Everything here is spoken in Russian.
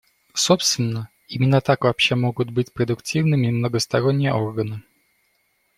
Собственно, именно так вообще могут быть продуктивными многосторонние органы.